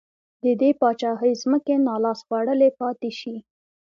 د دې پاچاهۍ ځمکې نا لاس خوړلې پاتې شي.